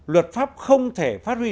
luật pháp không thể phát huy